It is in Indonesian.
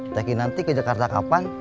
teh kinanti ke jakarta kapan